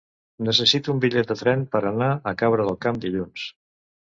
Necessito un bitllet de tren per anar a Cabra del Camp dilluns.